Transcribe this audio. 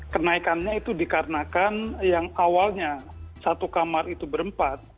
kenaikannya itu dikarenakan yang awalnya satu kamar itu berempat